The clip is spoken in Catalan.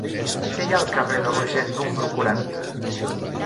Què hi ha al carrer de Rogent número quaranta?